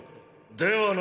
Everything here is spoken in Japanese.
ではな。